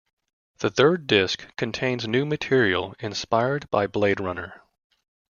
The third disc contains new material inspired by "Blade Runner".